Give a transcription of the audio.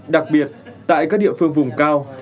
đặc biệt tại các địa phương vùng cao